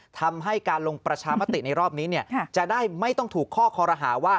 ทำให้การลงประชามติในรอบนี้จะได้ไม่ต้องถูกข้อคอรหาว่า